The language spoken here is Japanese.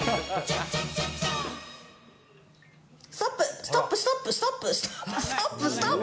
ストップ、ストップ、ストップ、ストップ。